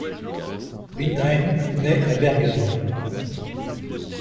Vindheim naît à Bergen.